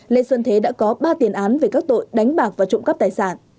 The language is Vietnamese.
lê xuân thế đã có ba tiền án về các tội đánh bạc và trộm cắp tài sản